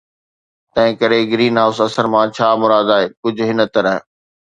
تنهنڪري green house اثر مان ڇا مراد آهي ڪجهه هن طرح